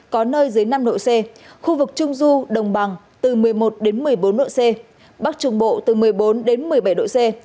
có nơi dưới năm độ c khu vực trung du đồng bằng từ một mươi một một mươi bốn độ c bắc trung bộ từ một mươi bốn một mươi bảy độ c